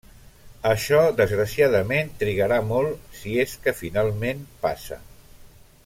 Això desgraciadament trigarà molt, si és que finalment passa.